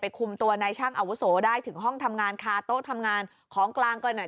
คุมตัวนายช่างอาวุโสได้ถึงห้องทำงานคาโต๊ะทำงานของกลางกันหน่อย